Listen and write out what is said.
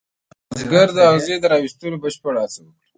بزګر د اغزي را ویستلو بشپړه هڅه وکړه.